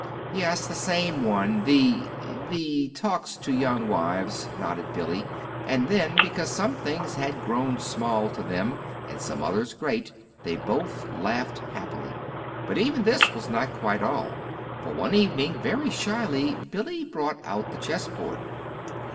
"Yes, the same one; the the 'Talks to Young Wives,'" nodded Billy. And then, because some things had grown small to them, and some others great, they both laughed happily. But even this was not quite all; for one evening, very shyly, Billy brought out the chessboard.